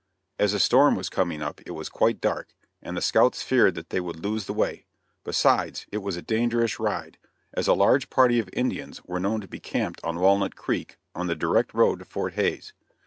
As a storm was coming up it was quite dark, and the scouts feared that they would lose the way; besides it was a dangerous ride, as a large party of Indians were known to be camped on Walnut Creek, on the direct road to Fort Hays.